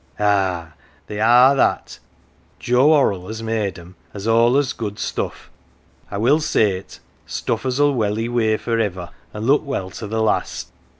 " Ah, they are that. Joe Orrell, as made "em, has allus good stuff* I Mill say it stuff as \ill welly weer for iver, an 1 look well to the last.